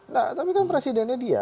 nah tapi kan presiden nya dia